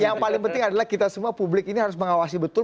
yang paling penting adalah kita semua publik ini harus mengawasi betul